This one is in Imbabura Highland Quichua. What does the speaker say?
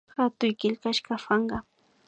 Hatuy killkashka panka